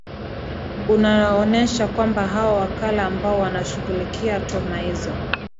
unaonesha kwamba hao wakala ambao wanashughulikia tuhma hizo